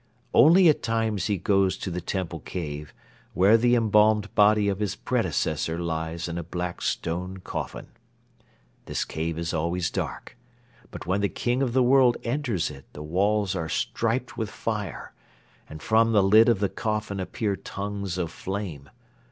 Only at times he goes to the temple cave where the embalmed body of his predecessor lies in a black stone coffin. This cave is always dark, but when the King of the World enters it the walls are striped with fire and from the lid of the coffin appear tongues of flame.